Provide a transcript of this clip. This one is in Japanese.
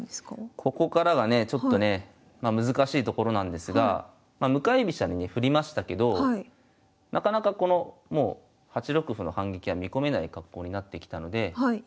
ここからがねちょっとね難しいところなんですが向かい飛車にね振りましたけどなかなかこのもう８六歩の反撃は見込めない格好になってきたのでおお。